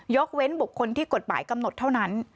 เว้นบุคคลที่กฎหมายกำหนดเท่านั้น